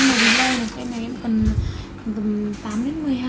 cái này nó in theo công dụng theo cái tên mẫu khác